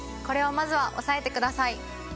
これをまずは押さえてください。